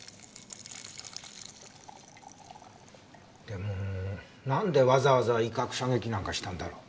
でもなんでわざわざ威嚇射撃なんかしたんだろう？